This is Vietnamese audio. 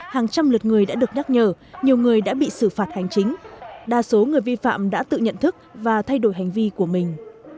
hàng trăm lượt người đã được nhắc nhở nhiều người đã bị xử phạt hành chính đa số người vi phạm đã tự nhận thức và thay đổi hành vi của mình